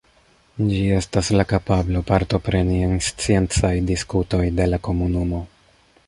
Ĝi estas la kapablo partopreni en sciencaj diskutoj de la komunumo.